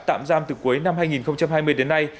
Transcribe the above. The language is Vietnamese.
tạm giam từ cuối năm hai nghìn hai mươi đến nay